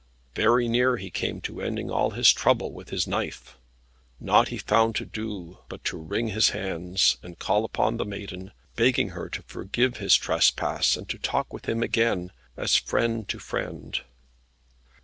Very near he came to ending all this trouble with his knife. Naught he found to do but to wring his hands, and call upon the Maiden, begging her to forgive his trespass, and to talk with him again, as friend to friend.